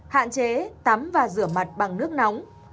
hạn chế tắm và rửa mặt bằng nước nóng